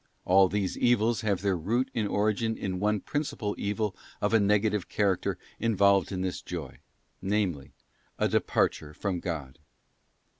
All these evils have their root and origin in one principal evil of a negative character involved in this joy, namely, a departure from God.